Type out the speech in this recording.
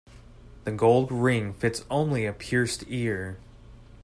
The gold ring fits only a pierced ear.